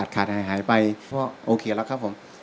ขาดอยู่แล้วเขียกคือครับผม